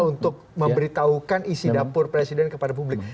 untuk memberitahukan isi dapur presiden kepada publik